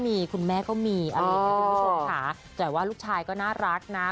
แบบนี้คุณแม่ก็มีอ๋อนะรูปชุมถาดแต่ว่าลูกชายก็น่ารักนะ